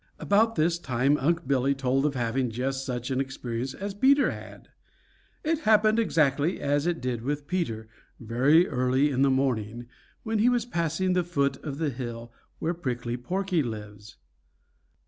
About this time Unc' Billy told of having just such an experience as Peter had. It happened exactly as it did with Peter, very early in the morning, when he was passing the foot of the hill where Prickly Porky lives.